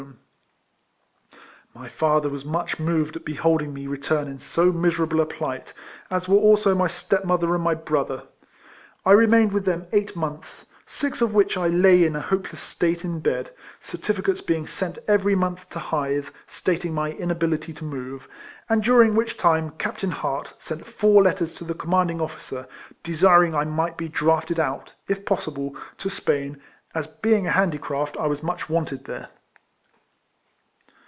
EIFLEMAN HAERIS. 271 My father was much moved at beholding me return in so miserable a plight, as were also my stepmother and my brother. I re mained with them eight months, six of which I lay in a hopeless state in bed, certificates being sent every month to Hythe, stating my inability to move ; and during which time Captain Hart sent four letters to the com manding officer, desiring I might be drafted out, if possible, to Spain, as, being a handi craft, I was much wanted there.